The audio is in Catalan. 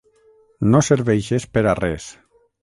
No serveixes per a res.